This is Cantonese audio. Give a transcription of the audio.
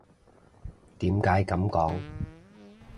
點解噉講？